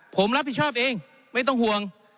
ผมรับผิดชอบเองไม่ต้องห่วง